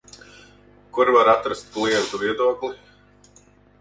Kur var atrast klientu viedokli?